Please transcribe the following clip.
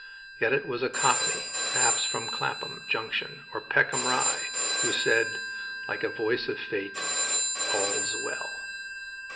Yet it was a cockney, perhaps from Clapham junction or Peckham Rye, who said, like a voice of Fate, "All's well."